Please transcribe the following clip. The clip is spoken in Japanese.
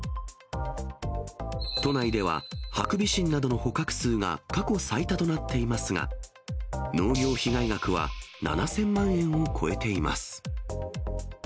都内ではハクビシンなどの捕獲数が過去最多となっていますが、農業被害額は７０００万円を超えています。